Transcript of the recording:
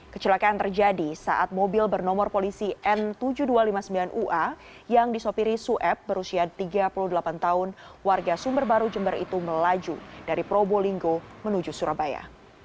kecelakaan terjadi saat mobil bernomor polisi n tujuh ribu dua ratus lima puluh sembilan ua yang disopiri suep berusia tiga puluh delapan tahun warga sumber baru jember itu melaju dari probolinggo menuju surabaya